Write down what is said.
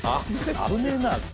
危ねえな。